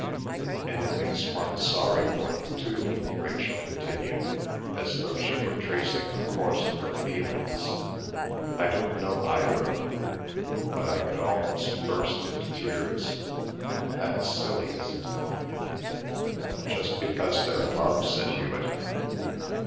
"And it makes one sorry for them too," Rachel continued, as though she were tracing the course of her feelings. "I don't know either of them, but I could almost burst into tears. That's silly, isn't it?" "Just because they're in love," said Hewet.